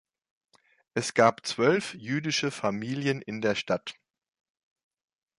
Es gab zwölf jüdische Familien in der Stadt.